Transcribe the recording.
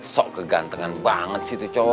sok kegantengan banget sih itu cowok